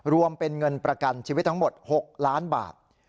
รวมเป็นเงินประกันชีวิตทั้งหมด๖ล้านบาท